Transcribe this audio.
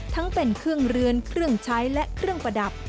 ทั้งเป็นเครื่องเรือนเครื่องใช้และเครื่องประดับ